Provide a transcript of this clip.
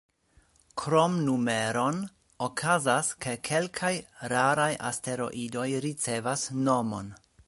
Krom numeron, okazas, ke kelkaj raraj asteroidoj ricevas nomon.